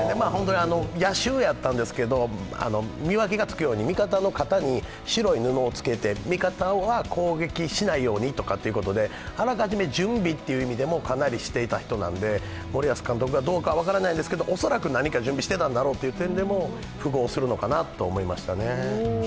夜襲やったんですけど、見分けがつくように味方の肩に白い布を着けて味方は攻撃しないようにということで、あらかじめ準備っていう意味でもかなりしてた人なんで森保監督がどうか分からないですけど恐らく何か準備してたんだろうという点でも符合するのかなと思いましたね。